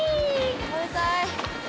食べたい！